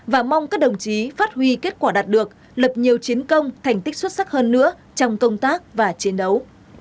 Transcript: và mong các đồng chí phát huy kết quả đạt được lập nhiều chiến công thành tích xuất sắc hơn nữa trong công tác và chiến đấu